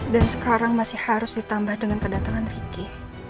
dan sekarang masih harus ditambah dengan kedatangan ricky